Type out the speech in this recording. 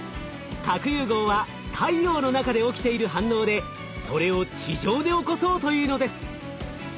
核融合は太陽の中で起きている反応でそれを地上で起こそうというのです。